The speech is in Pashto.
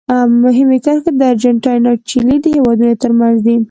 مهمې کرښې د ارجنټاین او چیلي د هېوادونو ترمنځ دي.